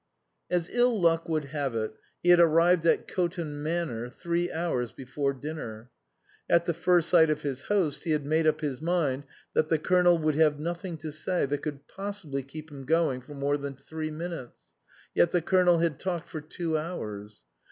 As ill luck would have it, he had arrived at Coton Manor three hours before dinner. At the first sight of his host he had made up his mind that the Colonel would have nothing to say that could possibly keep him going for more than three minutes, yet the Colonel had talked for two hours.